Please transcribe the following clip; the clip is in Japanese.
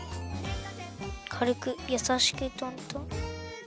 かるくやさしくトントン。